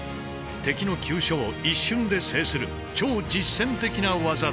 敵の急所を一瞬で制する超実戦的な技だ。